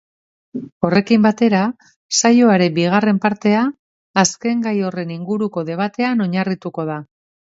Horrekin batera, saioaren bigarren partea azken gai horren inguruko debatean oinarrituko da.